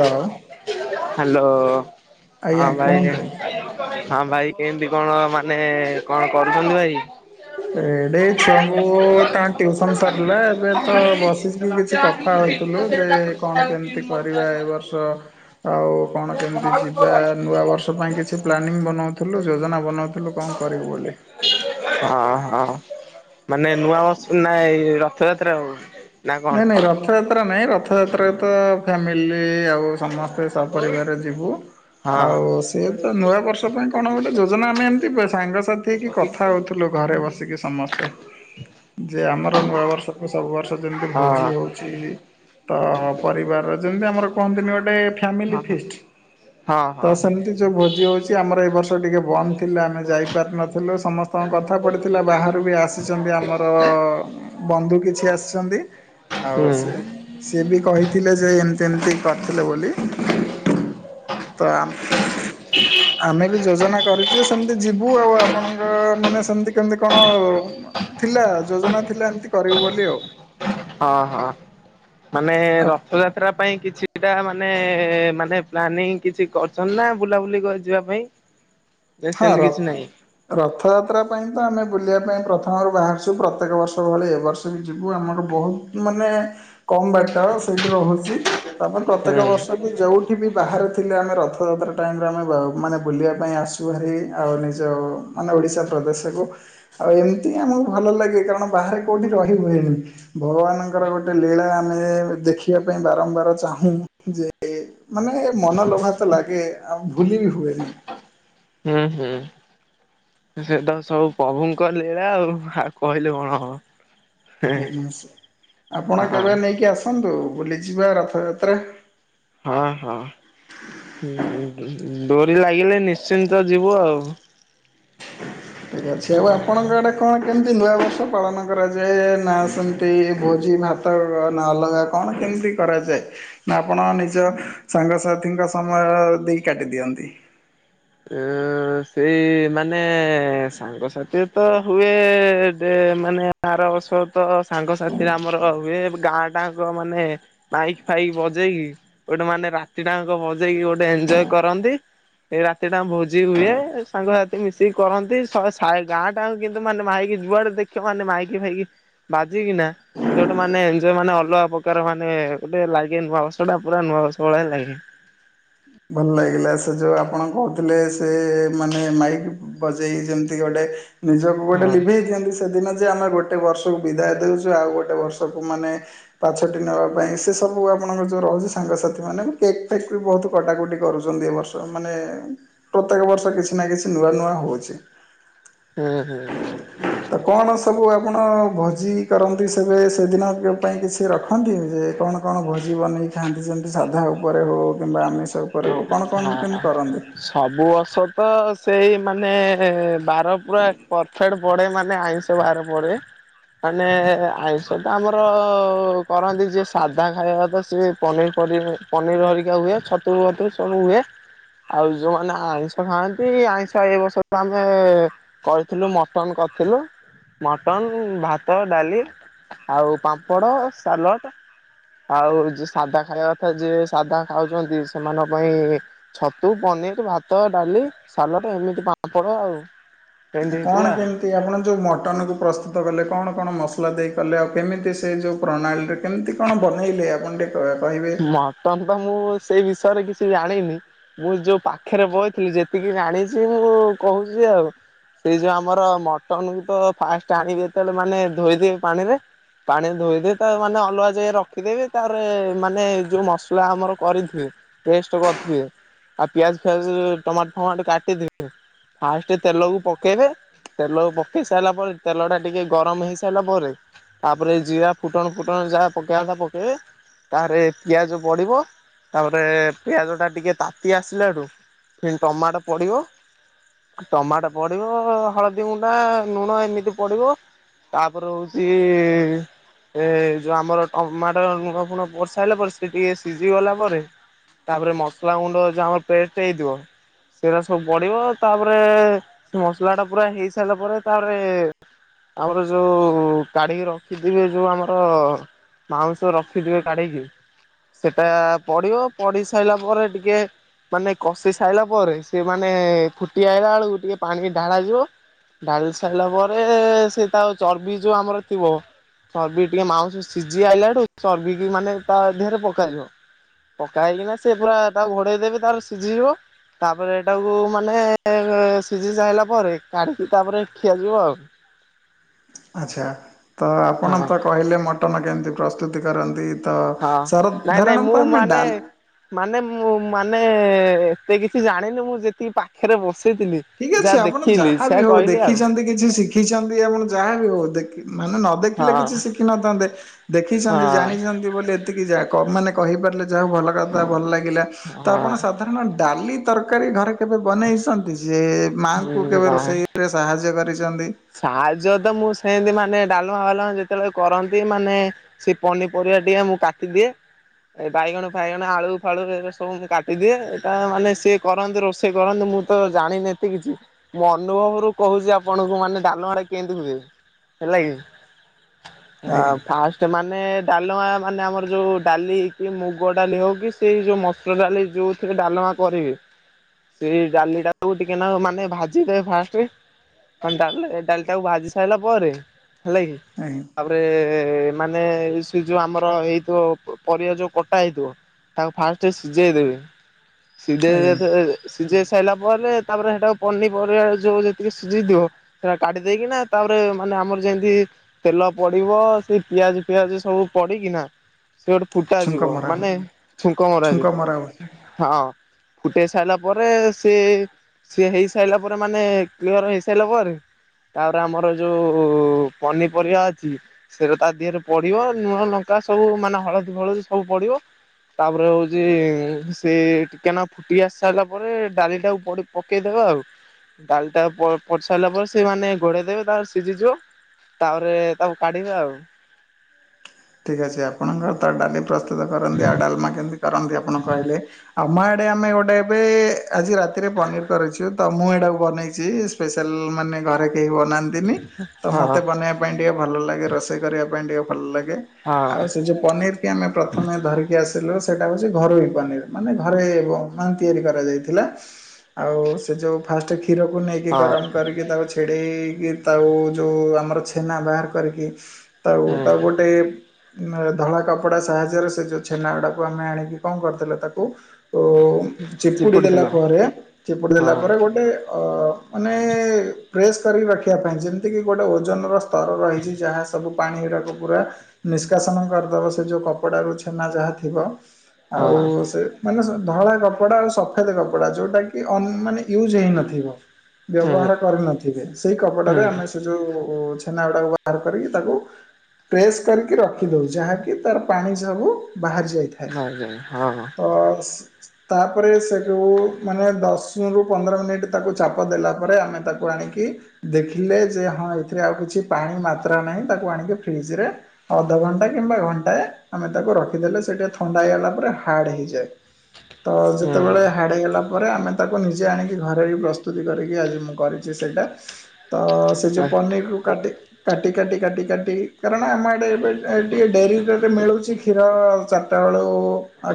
ଲୋ hello, ହଁ ଆଜ୍ଞା ଭାଇ କୁହନ୍ତୁ। ହଁ ଭାଇ କେମିତି କଣ ମାନେ କଣ କରୁଛନ୍ତି ଭାଇ? ଏଇଟି ଏଇ ଛୁଆଙ୍କୁ ତାଙ୍କ ଟିଉସନ ସରଲା ଏବେ ତ ବସିକି କିଛି କଥା ଥା ହଉଥୁଲୁ ଯେ କଣ କେମିତି କରିବା ଏ ବର୍ଷ ଆଉ କଣ କେମିତି ଯିବା ନୂଆ ବର୍ଷ ପାଇଁ କିଛି ପ୍ଲାନିଂ ବନଉଥିଲୁ ଯୋଜନା ବନଉଥିଲୁ। କଣ କରିବୁ ବୋଲି। ହଁ ହଁ ମାନେ ନୂଆ ବ୍ରଷ୍ ନା ଏ ରଥଯାତ୍ରା କୁ? ନା ନାଇଁ ନାଇଁ କଣ? ରଥଯାତ୍ରା ନାହିଁ। ରଥଯାତ୍ରା ରେ ତ ଫ୍ୟାମିଲି ଆଉ ସମସ୍ତେ ସପରିବାର ଯିବୁ। ଆଉ ସିଏ ତ ନୂଆ ବର୍ଷ ପାଇଁ କଣ ଗୋଟେ ଯୋଜନା ଆମେ ଏମତି ବ-ସାଙ୍ଗସାଥି ହେଇକି କ ଥା ହଉଥୁଲୁ ଘରେ ବସିକି ସମସ୍ତେ ଯେ ଆମର ନୂଆ ବର୍ଷକୁ ସବୁ ବର୍ଷ ଯେମ ହଁ ଭୋଜି ହଉଛି ତ ପରିବାରର ଯେମିତି ଆମର କୁହନ୍ତିନି ଗୋଟେ ହଁ ଫାମିଲି ଫିଷ୍ଟ ହଁ ତ ହଁ। ସେମିତି ଯୋଉ ଭୋଜି [unintelligible] ଚି, ଆମର ଏ ବର୍ଷ ଟିକେ ବନ୍ଦ ଥିଲା ଆମେ ଯାଇପାରି ନଥିଲୁ ସମସ୍ କଣ କଥା ପଢ଼ିଥିଲା ବାହାରୁ ବି ଆସିଛନ୍ତି ଆମର ବନ୍ଧୁ କିଛି ଆସିଛନ୍ତି। ହୁଁ ଆଉ ସେ ସିଏ ବି କହିଥିଲେ ଯେ ଏମିତି ଏମିତି କରିଥିଲେ ବୋଲି। ତ ଆମ୍ ଆମେ ବି ଯୋଜନା କରିଛୁ ସେମତି ଯିବୁ ଆଉ ଆପଣଙ୍କ ମାନେ ସେମତି କେମତି କଣ ଥିଲା ଯୋଜନା ଥିଲା ଏମିତି କରିବୁ ବୋଲି ଆଉ। ହଁ, ହଁ ମାନେ ଆଉ ରଥଯା ତ୍ରା ପାଇଁ କିଛିଟା ମାନେ ମାନେ ପ୍ଲାନିଂ କିଛି କରଛନ୍ତି ନା ବୁଲାବୁଲି କ-ଯିବା ପାଇଁ? ହ [inaudible] ହଁ ର ରଥଯାତ୍ରା ପାଇଁ ତ ଆମେ ବୁଲିବା ପାଇଁ ପ୍ରଥମରୁ ବାହାରିଛୁ ପ୍ରତ୍ୟେକ ବର୍ଷ ଭଳି ଏବ ବର୍ଷ ବି ଯିବୁ। ଆମର ବହୁ ମାନେ କମ ବାଟ ସେଇଠି ରହୁଚି। ତାପରେ ପ୍ରତ୍ୟେକ ହୁଁ ବର୍ଷ ବି ଯୋଉଠି ବି ବାହାରେ ଥିଲେ ଆମେ ରଥଯାତ୍ରା ଟାଇମରେ ଆମେ ବା ମାନେ ବୁଲିବା ପାଇଁ ଆସ୍ ଗୁହାରି ଆଉ ନିଜ ମାନେ ଓଡ଼ିଶା ପ୍ରଦେଶକୁ ଆଉ ଏମତି ଆମକୁ ଭଲ ଲାଗେ କାରଣ ବାହାରେ କୋଉଠି ରହି ହୁଏନି। ଭଗବାନଙ୍କର ଗୋଟେ ଲୀଳା ଆମେ ଏ ଏ ଦେଖିବା ପାଇଁ ବାରମ୍ବାର ଚାହୁଁ ଯେ ଏ ମାନେ ମନଲୋଭା ତ ଲାଗେ ଆଉ ଭୁଲି ବିି ହୁଏନି। ହୁଁ ହୁଁ। ସେଟା ତ ସବୁ ପଭୁଙ୍କ ଲୀଳା ଆଉ ଆଉ କହିଲେ କଣ ହବ? ହେଇ ମାସେ ଆପଣ ହଁ। କେବେ ନେଇକି ଆସନ୍ତୁ ବୁଲିଯିବା ରଥଯାତ୍ରା। ହଁ ହଁ ଉଁ ଉଁ ଉଁ ଡୋରି ଲାଗିଲେ ନିଶ୍ଚିନ୍ତ ଯିବୁ ଆଉ। ଠିକ୍ ଅଛି ଆଉ ହଁ। ଆପଣଙ୍କ ଆଡ଼େ କଣ କେମ୍ ନ୍ତି ନୂଆବର୍ଷ ପାଳନ କରାଯାଏ ନା ସେମତି ଭୋଜି ଭାତ ନା ଅଲଗା କଣ କେମତି କରାଯାଏ ନା ଆପଣ ନିଜ ସାଙ୍ଗସାଥିଙ୍କ ସମୟ ଦେଇ କାଟି ଦିଅନ୍ତି? ଏଁ ଏଁ ଏଁ ଅ ଅଁ ସେଇ ଇ ଇ ମାନେ ଏ ଏ ସାଙ୍ଗସାଥି ତ ହୁଏ ଏ ଏ ଡେ ମାନେ ଆର ବର୍ଷ ତ ସାଙ୍ଗସାଥିରେ ଆମର ହୁଏ ଗାଁ ଟାଙ୍କ ମାନେ ମାଇକ୍ ଫାଇ ବଜେଇକି ଗୋଟେ ମାନେ ରାତିଟା ଆଙ୍କ ବଜେଇକି ଗୋଟେ ଏନଜୟ କରନ୍ତି ଏ ରା ତିଟା ଆମ ଭୋଜି ହୁଏ ସାଙ୍ଗସାଥି ମିଶିକି କରନ୍ତି ଶହେ ସାଇ ଗାଁଟା ଯାଙ୍କ କିନ୍ତୁ ମାନେ ମାଇକି ଯୁଆଡ଼େ ଦେଖ ଖିବ ମାଇକି ଫାଇକି ବାଜିକିନା ସିଏ ଗୋଟେ ମାନେ ଏଞ୍ଜୟ ମାନେ ଅଲଗା ପ୍ରକାର ମାନେ ଏ ଏ ଗୋଟେ ଲାଗେ ନୂଆବର୍ଷ ଟା ପୁରା ନୂଆବର୍ଷ ଭଳିଆ ଲାଗେ। ଭଲ ଲାଗିଲା ସେ ଯୋଉ ଆପଣ କହୁଥିଲେ ସେ ଏ ଏ ମାନେ ମାଇକ୍ ବଜେଇ ଯେମତି ଗୋଟେ ନିଜକୁ ଗୋଟେ ହଁ ଲିଭେଇ ଦିଅନ୍ତି ସେ ସେଦିନ ଯେ ଆମେ ଗୋଟେ ବର୍ଷକୁ ବିଦାୟ ଦେଉଚୁ ଆଉ ଗୋଟେ ବର୍ଷକୁ ମାନେ ପାଛୋଟି ନେବା ପାଇଁ ସେ ସବୁ ଆପଣଙ୍କ ଯୋଉ ରହୁଚି ସାଙ୍ଗସାଥି ମାନେ କେକ୍ ଫେକ୍ ବି ବହୁତୁ କଟାକଟି କରୁଚନ୍ତି ଏ ବର୍ଷ ମାନେ ଏ ଏ ପ୍ରତ୍ୟେକ ବର୍ଷ କିଛି ନା କିଛି ନୂଆ ନୂଆ ହଉଛି। ହୁଁ ହୁଁ। ତ କଣ ସବୁ ଆପଣ ଭୋଜି କରନ୍ତି ସେବେ ସେଦିନ କ ପାଇଁ କିଛି ରଖ ଖନ୍ତି ଯେ କଣ କଣ ଭୋଜି ବନେଇ ଖାଆନ୍ତି ଯେମତି ସାଧା ଉପରେ ହଉ କିମ୍ବା ଆମିଷ ଷ ଉପରେ ହଉ। କଣ କଣ ହା ଆ କେମିତି କରନ୍ତି? ସବୁ ବର୍ଷ ତ ସେଇ ମାନେ ଏ ଏ ଏ ବାର ପୁରା ପରଫେକ୍ଟ ପଡେ ମାନେ ଆଇଁଷ ବାର ପଡ଼େ ମାନେ ଏ ଏ ଆଇଁଷ ତ ଆମର ଅ ଅ ଅ କରନ୍ତି ଯିଏ ସାଧା ଖାଇବା ତ ସିଏ ପନିରି ପଡ଼ି ପନିର ହରିକା ହୁଏ ଛତୁ ଫତୁ ସବୁ ହୁଏ। ଆଉ ଯୋଉମାନେ ଆଇଁଷ ଖାଆନ୍ତି ଆଇଁଷ ଏ ବର୍ଷ ତ ଆମେ ଏ ଏ କରିଥିଲୁ ମଟନ୍ କରିଥିଲୁ ମଟନ୍, ଭାତ, ଡାଲି ଆଉ ପାମ୍ପଡ଼, ସାଲଟ ଆଉ ଯିଏ ସାଧା ଖାଇବା କଥା ଯିଏ ସାଧା ଖାଉଚନ୍ତି ସେମାନଙ୍କ ପାଇଁ ଇ ଇ ଛତୁ, ପନିର, ଭାତ, ଡାଲି, ସାଲଟ ଏମିତି ପାମ୍ପଡ଼ ଆଉ। ଏମିତି ଆ ହେଇଥିଲା କଣ ଆଉ। କେମତ୍ ତି ଆପଣ ଯୋଉ ମଟନ କୁ ପ୍ରସ୍ତୁତ କଲେ କଣ କଣ ମସଲା ଦେଇ କଲେ ଆଉ କେମିତି ସେ ଯୋଉ ପ୍ରନାଲରେ କେମତି କଣ ବନେଇଲେ ଆପଣ ଟିକେ କ କହିବେ? ତମତ ମୁଁ ସେଇ ବିଷୟରେ କିଛି ଜାଣିନି। ମୁଁ ଯୋଉ ପାଖେରେ ବଇଥିଲି ଯେତିକି ଜାଣିଚି ମୁଁ କହୁଚି ଆଉ। ସେଇ ଯୋଉ ଆମର ମଟନକୁ ତ ଫାଷ୍ଟ ଆଣିବେ ଯେତେବେଳେ ମାନେ ଧୋଇଦବେ ପାଣିରେ। ପାଣିରେ ଧୋଇଦେବୀ ତା ମାନେ ଅଲଗା ଯେ ରଖିଦେବି ତାପରେ ମାନେ ଯୋଉ ମସଲା ଆମର କରିଥିବେ ପେଷ୍ଟେ କରିଥିବେ। ଆଉ ପିଆଜ ଫିଆଜ ଟମାଟୋ ଫମାଟ କାଟି [inaudible] ଫାଷ୍ଟ ତେଲକୁ ପକେଇବେ। ତେଲ ପକେଇ ସାଇଲା ପରେ ତେଲ ଟା ଟିକେ ଗରମ ହେଇ ସାଇଲା ପରେ ତାପରେ ଜିରା ଫୁଟଣ ଫୁଟଣ ଯାହା ପକେଇଆ କଥା ପକେଇବେ। ତାରେ ପିଆଜ ପଡିବ ତାପରେ ପିଆଜ ଟା ଟିକେ ତାତି ଆସିଲା ଠୁ ଫିର୍ ଟମାଟ ପଡ଼ିବ। ଟମାଟୋ ପଡିବ ହଳଦୀ ଗୁଣ୍ଡା ଲୁଣ ଏମିତି ପଡିବ। ତାପରେ ହଉଚି ଏ ଯୋଉ ଆମର ଟମାଟୋ ଲୁଣ ଫୁଣ ବସାଇଲେ ପରେ ସେ ଟିକେ ସିଝିଗଲା ପରେ ତାପରେ ମସଲା ଗୁଣ୍ଡ ଯାହା ମ ପେଷ୍ଟ ହେଇଥିବ। ସେରା ସବୁ ପଡିବ ତାପରେ ମସଲା ଟା ପୁରା ହେଇ ସାଇଲା ପରେ ତାପରେ ଆମର ଯୋଉ କାଢିକି ରଖିଥିବେ ଯୋଉ ଆମର ମାଉଁସ ରଖିଥିବେ। କାଢିକି ସେଟା ପଡିବ ପଡିସାଇଲା ପରେ ଟିକେ ମାନେ କଷି ସାଇଲା ପରେ ସିଏ ମାନେ ଫୁଟି ଆଇଲା ବେଳକୁ ଟିକେ ପାଣି ଢାଳାଯିବ। ଢାଳି ସାରିଲା ପରେ ସେ ତା ଚର୍ବି ଯୋଉ ଆମର ଥିବ। ଚର୍ବି ଟିକେ ମାଉଁସ ସିଝି ଆଇଲାଠୁ ଚର୍ବି କି ମାନେ ତା ଦେହରେ ପକାଯିବ। ପକା ହେଇକିନା ସେ ପୁରା ତାକୁ ଘୋଡେଇ ଦେବେ ତାର ସିଝିବ। ତାପରେ ଏଟାକୁ ମାନେ ଏଁ ସିଝି ସାଇଲା ପରେ କାଢିକି ତାପରେ ଖିଆ ଯିବ ଆଉ। ଆଚ୍ଛା ତ ଆପଣ ହଁ। ତ କହିଲେ ମଟନ କେମିତି ପ୍ରସ୍ତୁତି କରନ୍ତି। ତ ହଁ ସାର ନାଇଁ ନାଇଁ ଧାରଣା ମୁଁ ତ ଆମେ ଡା ମାନେ ମାନେ ମୁଁ ମାନେ ଏତେ କିଛି ଜାଣିନି ମୁଁ ଯେତିକି ପାଖରେ ବସିଥିଲି। ଠିକ୍ ଯାହା ଅଛି ଆପଣ ଦେଖିଲି ଯାହା ସେଆ ବିି ହଉ କହିଲି ଆଉ ଦେଖିଚନ୍ତି କିଛି ଶିଖିଚନ୍ତି ଆପଣ ଯାହାବି ହଉ ଦେଖି ମାନେ ନ ଦେଖିଲେ ହଁ କିଛି ଶିଖିନଥାନ୍ତେ ହଁ ଦେଖିସନ୍ତି ଜାଣିଚନ୍ତି ବୋଲି ଏ ଏତିକି ଯା କ ମାନେ କହିପାରିଲେ ଯାଉ ଭଲ କଥା ଭଲ ଲାଗିଲା ତ ଆପଣ ହଁ ସ ସାଧାରଣ ଡାଲି ତରକାରୀ ଘରେ କେବେ ବନେଇସନ୍ତି ଯେ ମାଆଙ୍କୁ କେବେ ନାଇଁ ରୋଷେଇ ରେ ସାହାଯ୍ୟ କରିଚନ୍ତି। ସାହାଯ୍ୟ ତ ମୁଁ ସେନ୍ତି ମାନେ ଡାଲମା ଫାଲେମା ଯେତେବେଳେ କରନ୍ତି ମାନେ ସେ ପନିପରିବା ଦିଏ ମୁଁ କାଟିଦିଏ। ଏ ବାଇଗଣ ଫାଇଗଣ ଆଳୁ ଫାଳୁ ଏ ସବୁ ମୁଁ କାଟିଦିଏ ଏଇଟା ମାନେ ସିଏ କରନ୍ତିୁ ରୋଷେଇ କରନ୍ତୁ ମୁଁ ତ ଜାଣିନି ଏତି କିଛି ମୋ ଅନୁଭବରୁୁ କହୁଚି ଆପଣଙ୍କୁ ମାନେ ଡାଲମାଟା କେମିତି ହୁଏ ହେଲାକି ଆଜ୍ଞା ଆଁ ଫାଷ୍ ମାନେ ଡାଲମା ମାନେ ଆମର ଯୋଉ ଡାଲି କି ମୁଗ ଡାଲି ହଉ କି ସେଇ ଯୋଉ ମସୁର ଡାଲି ଯୋଉ ଟିକେ ଡାଲମା କରିବି। ସେଇ ଡାଲି ଟାକୁ ଟିକେନାକୁ ମାନେ ଭାଜିଦେବେ ଫାଷ୍ଟେ। [unintelligible] ଡାଲି ଟାକୁ ଭାଜି ସାଇଲା ପରେ ହେଲା କି। ଆଜ୍ଞା। ତାପରେ ମାନେ ସେ ଯୋଉ ଆମର ହେଇଥିବ ପରିବା ଯୋଉ କଟା ହେଇଥିବ। ତାକୁ ଫାଷ୍ଟେ ସିଝେଇ ଦେବେ ସିଝେଇ ଦେ ଆଜ୍ଞା ତ ଏ ସିଝେଇ ସାଇଲା ପରେ ତାପରେ ହେଟାକୁ ପନିପରିବା ଯୋଉ ଯେତିକି ସିଝେଇ ଥିବ। ହେରା କାଟିି ଦେଇକିନା ତାପରେ ମାନେ ଆମର ଯେମତି ତେଲ ପଡିବ ସେ ପିଆଜ ଫିଆଜ ସବୁ ପଡିକିନା। ସେ ଗୋଟେ ଫୁଟା ଛୁଙ୍କ ଯିବ ମରା ହୁଏ ମାନେ ଛୁଙ୍କ ମରା ଯିବ ହଁ। ଫୁଟେଇ ସାରିଲା ପରେ ସିଏ ସିଏ ହେଇ ସାଇଲା ପରେ ମାନେ କ୍ଲିୟର ହେଇସାଇଲା ପରେ ତାପରେ ଆମର ଯୋଉ ପନିପରିବା ଅଛି ସେତ ତା ଦିହରେ ପଡିବ ନୁଣ ଲଙ୍କା ସବୁ ମାନେ ହଳଦୀ ଫଳଦୀ ସବୁ ପଡିବ। ତାପରେ ହଉଛି ସେ ଟିକେନା ଫୁଟି ଆସି ସାରିଲା ପରେ ଡାଲି ଟାକୁ ପଡି ପକେଇଦବା ଆଉ ଡାଲିଟା ପ ପଡ଼ି ସାରିଲା ପରେ ସେମାନେ ଗୋଡେଇ ଦେବେ ତାପରେ ସିଝିଯିବ ତାପରେ ତାକୁ କାଢିବେ ଆଉ ଠିକ୍ ଅଛି ଆପଣଙ୍କର ତ ଡାଲି ପ୍ରସ୍ତୁତ କରନ୍ତି ଆଉ ଡାଲମା କେମିତି କରନ୍ତି ଆପଣ କହିଲେ ଆମ ଆଡ଼େ ଆମେ ଗୋଟେ ଏବେ ଆଜି ରାତିରେ ପନିର କରିଛୁ ତ ମୁଁ ଏଇଟାକୁ ବନେଇଛି ସ୍ପେଶାଲ ମାନେ ଘରେ କେହି ବନାନ୍ତିନି ତ ହଁ ମୋତେ ବନେଇବା ପାଇଁ ଟିକେ ଭଲ ଲାଗେ ରୋଷେଇ କରିବା ପାଇଁ ଟିକେ ଭଲ ଲାଗେ ଆଉ ହଁ ସେ ଯୋଉ ପନିର କି ଆମେ ପ୍ରଥମେ ଧରିକି ଆସିଲୁ ସେଇଟା ହେଉଛି ଘରୋଇ ପନିର ମାନେ ଘରେ ତିଆରି କରାଯାଇଥିଲା। ଆଉ ସେ ଯୋଉ ଫାଷ୍ଟ କ୍ଷୀରକୁ ନେଇକି ହଁ ଗରମ କରିକି ତା ଛିଡ଼େଇକି ତାଉ ଯେଉଁ ଆମର ଛେନା ବାହାର କରିକି ତାକୁ ହୁଁ ତାକୁ ଗୋଟେ ଧଳା କପଡ଼ା ସାହାଯ୍ୟରେ ସେ ଯେଉଁ ଛେନାଗୁଡ଼ାକୁ ଆମେ ଆଣିକି କଣ କରିଦେଲେ ତାକୁ ଓ ହ [inaudible] ଚିପୁଡି ଦେଲା ପରେ ଚିପୁଡି ହଁ ଦେଲା ପରେ ଗୋଟେ ଅ ମାନେ ପ୍ରେସ୍ କରିକି ରଖିବା ପାଇଁ ଯେମିତିକି ଗୋଟେ ଓଜନର ସ୍ତର ରହିଛି ଯାହା ସବୁ ପାଣି ଗଡାକୁ ପୁରା ନିଷ୍କାସନ କରିଦେବ ସେ ଯେଉଁ କପଡ଼ାରୁ ଛେନା ଯାହା ଥିବ ହଁ ଆଉ ସେ ମାନେ ଧଳା କପଡ଼ା ଆଉ ସଫେଦ କପଡା ଯୋଉଟା କି ଅନ୍ ମାନେ ୟୁଜ ହେଇ ନଥିବ ହୁଁ ବ୍ୟବହାର କରି ନଥିବେ ସେଇ କପଡ଼ାରେ ହୁଁ। ଆମେ ଯୋଉ ଛେନା ଗୁଡାକ ବାହାର କରିକି ତାକୁ ପ୍ରେସ୍ କରିକି ରଖି ଦଉ ଯାହାକି ତାର ପାଣି ସବୁ ବାହାରି ଯାଇଥାଏ ନାଇଁ ନାଇଁ ହଁ ତ ତାପରେ ସେକୁ ମାନେ ଦଶରୁ ପନ୍ଦର ମିନିଟ୍ ତାକୁ ଚାପ ଦେଲା ପରେ ଆମେ ତାକୁ ଆଣିକି ଦେଖିଲେ ଯେ ହଁ ଏଥିରେ ଆଉ କିଛି ପାଣି ମାତ୍ରା ନାହିଁ ତାକୁ ଆଣିକି ଫ୍ରିଜ ରେ ଅଧ ଘଣ୍ଟା କିମ୍ବା ଘଣ୍ଟା ଆମେ ତାକୁ ରଖିଦେଲେ ସେଟା ଥଣ୍ଡା ହେଇଗଲା ପରେ ହାର୍ଡ ହେଇଯାଏ। ତ ହୁଁ ଯେତେବେଳେ ହାର୍ଡ ହେଇଗଲା ଆମେ ତାକୁ ନିଜେ ଆଣିକି ଘରେ ବି ପ୍ରସ୍ତୁତି କରିକି ଆଜି ମୁଁ କରିଛି ସେଇଟା ତ ସେ ଯୋଉ ହଁ ପନିର କୁ କାଟି କାଟି କାଟି କାଟି କାଟି କାରଣ ଆମ ଆଡେ ଏବେ ଟିକେ ଡେରି ରେ ମିଳୁଛି କ୍ଷୀର ଚାର ବେଳ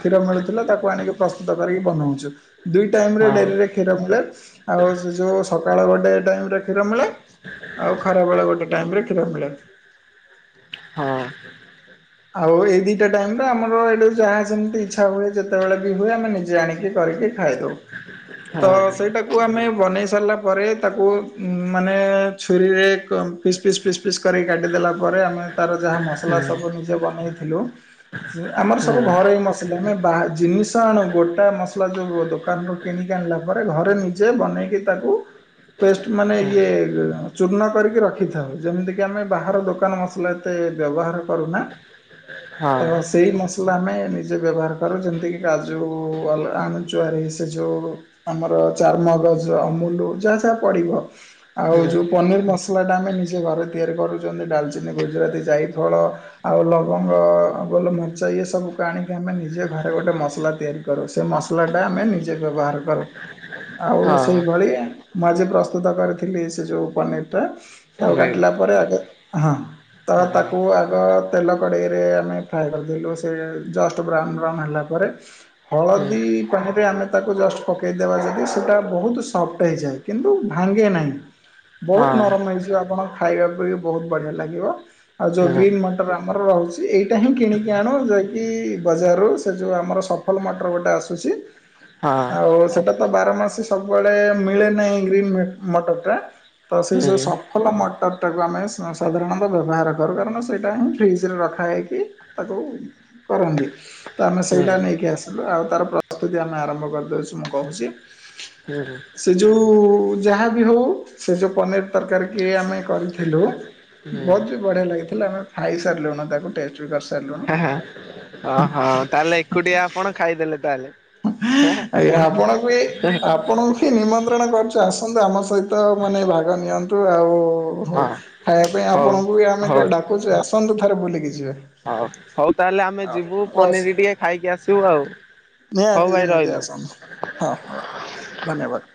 କ୍ଷୀର ମିଳୁଥିଲା ତାକୁ ଆଣିକି ପ୍ରସ୍ତୁତ କରିକି ବନଉଛୁ ଦୁଇ ଟାଇମ ରେ ଡେରିରେ କ୍ଷୀର ମିଳେ ଆଉ ସେ ଯୋଉ ସକାଳ ଗୋଟେ ଟାଇମରେ କ୍ଷୀର ମିଳେ ଆଉ ଖରାବେଳେ ଗୋଟେ ଟାଇମରେ କ୍ଷୀର ମିଳେ। ହଁ ଆଉ ଏଇ ଦିଟା ଟାଇମରେ ଆମର ଏଠୁ ଯାହା ସେମିତି ଇଚ୍ଛା ହୁଏ ଯେତେବେଳେ ବି ହୁଏ ଆମେ ନିଜେ ଆଣିକି କରିକି ଖାଇଦଉ ତ ହଁ ସେଇଟା ତାକୁ ଆମେ ବନେଇ ସାରିଲା ପରେ ତାକୁ ମାନେ ଛୁରୀରେ ପିସ୍ ପିସ୍ ପିସ୍ ପିସ୍ କରି କାଟିଦେଲା ପରେ ଆମେ ତାର ଯାହା ମସଲା ହୁଁ ସବୁ ନିଜେ ବନେଇଥିଲୁ ଆମର ହୁଁ ସବୁ ଘରେଇ ମସଲା ଆମେ ବା ଜିନିଷ ଆଣୁ ଗୋଟା ମସଲା ଯୋଉ ଦୋକାନରୁ କିଣିକି ଆଣିଲା ପରେ ଘରେ ନିଜେ ବନେଇକି ତାକୁ ପେଷ୍ଟ ମାନେ ହୁଁ ଇଏ ଚୂର୍ଣ୍ଣ କରିକି ରଖିଥାଉ ଯେମିତିକି ଆମେ ବାହାର ଦୋକାନ ମସଲା ତେ ବ୍ୟବହାର କରୁନା ହଁ ତ ସେଇ ମସ ଲା ଆମେ ନିଜେ ବ୍ୟବହାର କରୁ ଯେମିତି କି କାଜୁ ଆଣୁ ଚୁଆର ସେ ଯୋଉ ଆମର ଚାରମଗଜ ଅମୁଲ ଯାହା ଯାହା ପଡିବ। ଆଉ ହୁଁ ଯୋଉ ପନିର ମସଲା ଟା ଆମେ ନିଜେ ଘରେ ତିଆରି କରୁଛନ୍ତି ଡାଲଚିନି, ଗୁଜୁରାତି, ଯାଇ ଫଳ ଆଉ ଲବଙ୍ଗ ଗୋଲମରିଚ ଇଏ ସବୁକୁ ଆଣିକି ଆମେ ନିଜେ ଘରେ ଗୋଟେ ମସଲା ତିଆରି କରୁ ସେ ମସଲାଟା ଆମେ ନିଜେ ବ୍ୟବହାର କରୁ। ଆଉ ହଁ ସେଇଭଳି ମୁଁ ଆଜି ପ୍ରସ୍ତୁତ କରିଥିଲି ସେ ଯୋଉ ପନିରଟା। ତାକୁ ଡାକିଲା ଅନେଇବି ପରେ ଆଗେ ହଁ ତ ତା ବାପାକୁ ଆଗ ତେଲ କଡ଼େଇରେ ଆମେ ଫ୍ରାଏ କରିଦେଲୁ ସେ ଜଷ୍ଟ ବ୍ରାଉନ୍ ବ୍ରାଉନ୍ ହେଲା ପରେ ହଁ ହୁଁ ହଳଦୀ ପାଣିରେ ଆମେ ତାକୁ ଜଷ୍ଟ ପକାଇଦେବା ଯଦି ସେଇଟା ବହୁତ ସଫ୍ଟ ହୋଇଇଯାଏ। କିନ୍ତୁ ଭାଙ୍ଗେ ନାହିଁ। [inaudible] ବହୁତ ନରମ ହେଇଯିବ ଆପଣ ଖାଇବା ପାଇଁ ବହୁତ ବଢିଆ ଲାଗିବ ଆଉ ଯୋଉ ହୁଁ ହଁ ହୁଁ ଗ୍ରୀନ୍ ମ ଯୋଉ ଆମର ରହିଛି ଏଇଟା ହିଁ କିଣିକି ଆଣ ଯାଇକି ବଜାରରୁ ସେଥିରେ ଯୋଉ ଆମର ରହିଛି ସପ୍ପି ଫଲ ମଟର ଗୋଟେ ଆସୁଛି ଆଉ ସେଟା ତ ବାର ମାସ ସବୁବେଳେ ମିଳେ ନାହିଁ ଗ୍ରୀନ ମଟର ଟା। ତ ସେଇ ସବୁ ହୁଁ ସଫଲ ମଟର ଟାକୁ ଆମେ ସାଧାରଣତଃ ବ୍ୟବହାର କରୁ କାରଣ ସେଇ ସେଟା ହିଁ ଫ୍ରିଜରେ ରଖା ହେଇକି ତାକୁ କରନ୍ତି। ତ ଆମେ ହୁଁ ସେଇଟା ହୁଁ ନେଇକି ଆସିଲୁ ଆଉ ତାର ପ୍ରସ୍ତୁତି ଆମେ ଆରମ୍ଭ କରିଦଉଛୁ ମୁଁ କହୁଛି। ହେଁ ସେ ଯୋଉ ଯାହା ବି ହଉ। ସେ ଯୋଉ ପନିର ତରକାରୀ କି ଆମେ କରିଥିଲୁ ହେଁ ବହୁତ ବି ବଢିଆ ଲାଗିଥିଲା ଆମେ ଖାଇ ସାରିଲୁଣି ତାକୁ ଟେଷ୍ଟ ବି କରିସାରିଲୁନୁ। ଓହୋ ତାହେଲେ ଏକୁଟିଆ ଆପଣ ଖାଇଦେଲେ ତାହେଲେ। ହୁଏ ଆପଣଙ୍କୁ ବି ନିମନ୍ତ୍ରଣ କରୁଛୁ ଆସନ୍ତୁ ଆମ ସହିତ ମାନେ ଭାଗ ନିଅନ୍ତୁ ଆଉ ହ ହେଁ ଖାଇବା ପାଇଁ ହଁ ହଉ ଆପଣଙ୍କୁ ବି ଆମେ ହଉ ଡାକୁଛୁ ଆସନ୍ତୁ ଥରେ ବୁଲିକି ଯିବେ। ହଉ ହଉ ତାହେଲେ ଆମେ ହଉ ଯିବୁ ରହୁଛି ପନିର ଟିକେ ଖାଇକି ଆସିବୁ ଆଉ ହଉ ନିହାତି ଭାଇ ନିହାତି ରହିଲୁ। ଆସନ୍ତୁ ହଁ ହଁ ଧନ୍ୟବାଦ।